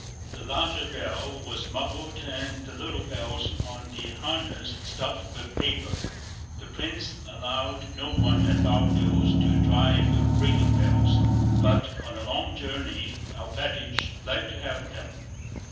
The larger bell was muffled and the little bells on the harness stuffed with paper. The prince allowed no one at Bald Hills to drive with ringing bells; but on a long journey Alpátych liked to have them.